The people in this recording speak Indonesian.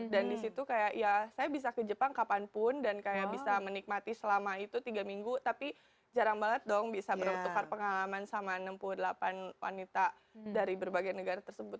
dan disitu kayak ya saya bisa ke jepang kapanpun dan kayak bisa menikmati selama itu tiga minggu tapi jarang banget dong bisa bertukar pengalaman sama enam puluh delapan wanita dari berbagai negara tersebut